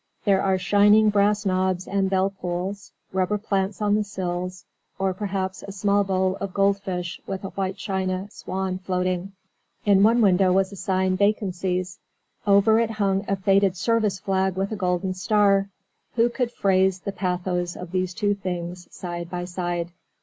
There are shining brass knobs and bell pulls; rubber plants on the sills, or perhaps a small bowl of goldfish with a white china swan floating. In one window was a sign "Vacancies." Over it hung a faded service flag with a golden star. Who could phrase the pathos of these two things, side by side?